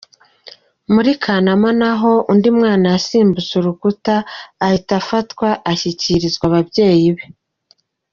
Muri Kanama naho undi mwana yasimbutse urukuta ahita afatwa ashyikirizwa ababyeyi be.